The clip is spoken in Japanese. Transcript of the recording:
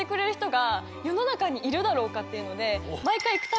っていうので。